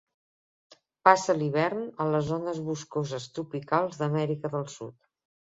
Passa l'hivern a les zones boscoses tropicals d'Amèrica del Sud.